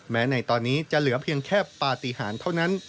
ในตอนนี้จะเหลือเพียงแค่ปฏิหารเท่านั้น